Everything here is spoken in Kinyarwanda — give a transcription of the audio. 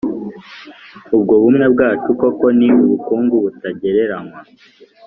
ubwo bumwe bwacu kuko ni ubukungu butagereranywa.